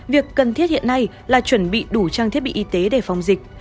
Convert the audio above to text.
việc cần thiết hiện nay là chuẩn bị đủ trang thiết bị y tế để phòng dịch